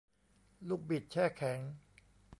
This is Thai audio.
ลูกบิดแช่แข็ง